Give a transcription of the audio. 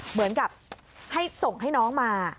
เหมือนกับให้ส่งให้น้องมา